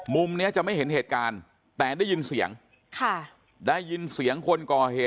มุมเนี้ยจะไม่เห็นเหตุการณ์แต่ได้ยินเสียงค่ะได้ยินเสียงคนก่อเหตุ